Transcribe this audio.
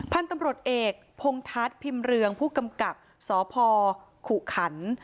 พันธุ์ตำรวจเอกพงทัศน์พิมพ์เรืองผู้กำกับสพขุขัน